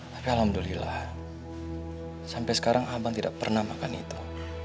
tapi alhamdulillah sampai sekarang abang tidak pernah makan itu